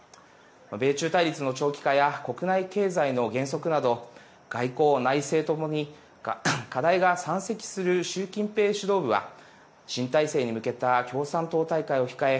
米中対立の長期化や国内経済の減速など外交、内政ともに課題が山積する習近平指導部は新体制に向けた共産党大会を控え